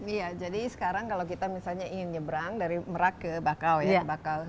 iya jadi sekarang kalau kita misalnya ingin nyebrang dari merak ke bakau ya